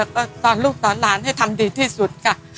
ก็ตอนลูกกันตอนล้านทำดีที่สุด